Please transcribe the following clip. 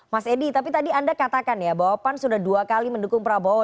mas edi tapi tadi anda katakan ya bahwa pan sudah dua kali mendukung prabowo